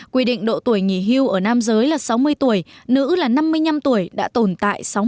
quy định độ tuổi nghỉ hưu ở nam giới là sáu mươi tuổi nữ là năm mươi năm tuổi đã tổn thương